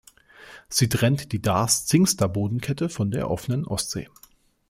Sie trennt die Darß-Zingster Boddenkette von der offenen Ostsee.